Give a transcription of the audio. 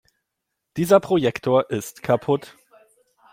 Dieser Projektor ist kaputt.